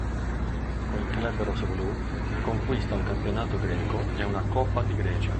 Con il club rossoblù conquista un campionato greco e una coppa di Grecia.